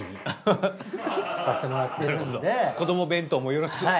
なるほど子ども弁当もよろしく！